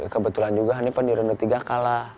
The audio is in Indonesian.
kebetulan juga hanifan di ronde tiga kalah